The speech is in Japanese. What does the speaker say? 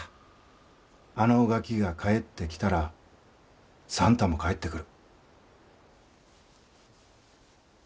あのガキが帰ってきたら算太も帰ってくる。